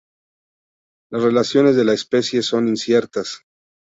Las relaciones de la especie son inciertas.